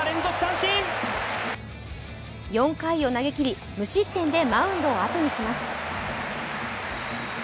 ４回を投げきり、無失点でマウンドを後にします。